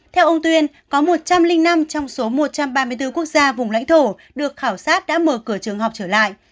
theo ông tuyên có một trăm linh năm trong số một trăm ba mươi bốn quốc gia vùng lãnh thổ được khảo sát đã mở cửa trường học trở lại